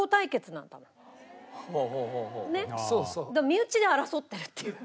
身内で争ってるっていう。